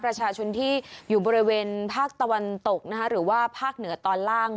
ประชาชนที่อยู่บริเวณภาคตะวันตกนะคะหรือว่าภาคเหนือตอนล่าง